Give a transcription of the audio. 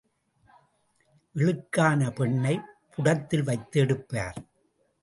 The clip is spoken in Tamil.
இழுக்கான பொன்னைப் புடத்தில் வைத்து எடுப்பார்.